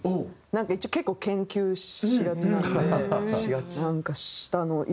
なんか一応結構研究しがちなんで。